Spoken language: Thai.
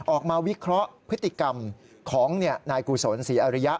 วิเคราะห์พฤติกรรมของนายกุศลศรีอริยะ